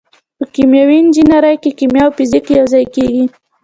په کیمیاوي انجنیری کې کیمیا او فزیک یوځای کیږي.